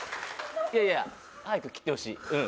いやいや早く切ってほしいうん